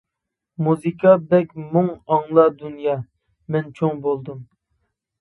مۇزىكا بەك مۇڭ ئاڭلا دۇنيا، مەن چوڭ بولدۇم!